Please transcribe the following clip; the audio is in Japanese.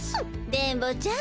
電ボちゃん